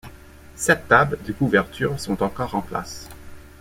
Sept tables de couverture sont encore en place.